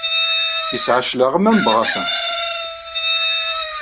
Isɛa cclaɣem am Brassens.